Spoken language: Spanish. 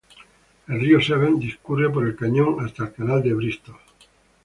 El río Severn discurre por el cañón hasta el canal de Bristol.